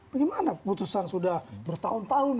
bagaimana putusan sudah bertahun tahun